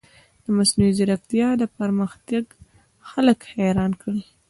د مصنوعي ځیرکتیا پرمختګ خلک حیران کړي.